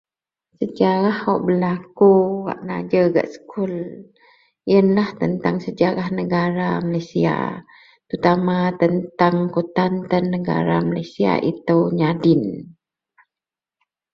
Sejarah wak berlaku wak najer gak sekul yenlah tentang sejarah negara Malaysia. Pertama tentang kutan tan negara Malaysia itou nyadin